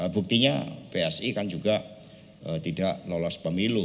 buktinya psi kan juga tidak lolos pemilu